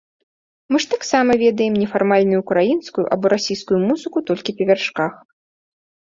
Мы ж таксама ведаем нефармальную ўкраінскую або расійскую музыку толькі па вяршках.